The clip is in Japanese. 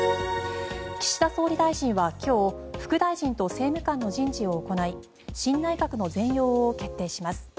岸田総理大臣は今日副大臣と政務官の人事を行い新内閣の全容を決定します。